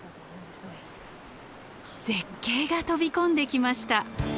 絶景が飛び込んできました。